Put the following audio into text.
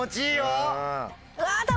うわ。